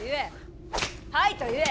はいと言え。